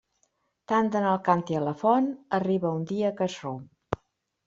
Tant d'anar el càntir a la font, arriba un dia que es romp.